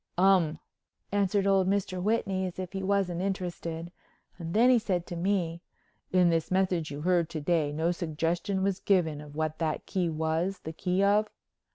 "Um," answered old Mr. Whitney as if he wasn't interested and then he said to me: "In this message you heard to day no suggestion was given of what that key was the key of?"